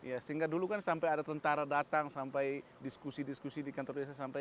ya sehingga dulu kan sampai ada tentara datang sampai diskusi diskusi di kantor desa sampai